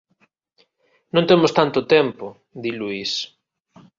Non temos tanto tempo –di Luís.